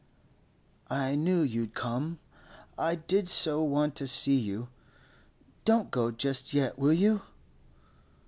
'I knew you'd come. I did so want to see you. Don't go just yet, will you?